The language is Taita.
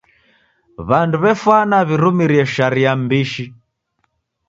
W'andu w'efwana w'irumirie sharia mbishi.